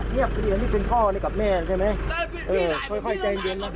พี่พ่อขอบคุณท่านแม่นะ